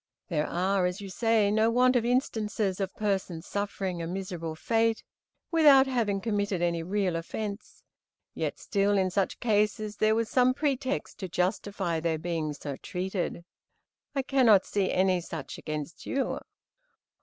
There are, as you say, no want of instances of persons suffering a miserable fate, without having committed any real offence; yet still, in such cases, there was some pretext to justify their being so treated. I cannot see any such against you."